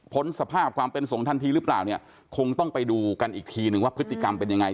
สภาพความเป็นสงฆ์ทันทีหรือเปล่าเนี่ยคงต้องไปดูกันอีกทีนึงว่าพฤติกรรมเป็นยังไง